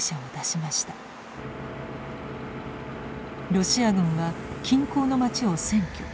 ロシア軍は近郊の町を占拠。